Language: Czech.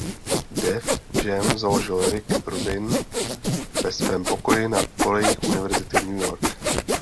Def Jam založil Rick Rubin ve svém pokoji na kolejích univerzity New York.